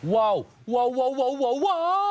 ว้าวว้าวว้าวว้าวว้าว